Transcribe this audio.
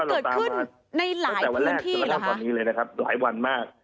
ตั้งแต่วันแรกตั้งแต่วันตอนนี้เลยนะครับหลายวันมาก